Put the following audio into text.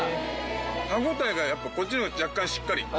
歯応えがやっぱこっちの方が若干しっかり。